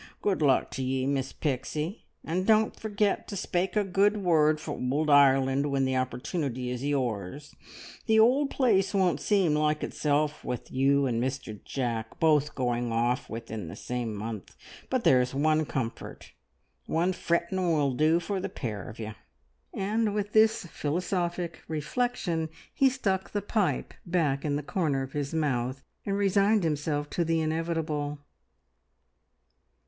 Good luck to ye, Miss Pixie, and don't forget to spake a good word for Ould Ireland when the opportunity is yours. The ould place won't seem like itself with you and Mr Jack both going off within the same month; but there's one comfort one frettin' will do for the pair of you!" And with this philosophic reflection he stuck the pipe back in the corner of his mouth and resigned himself to the inevitable.